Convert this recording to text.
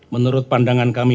menurut pandangan kami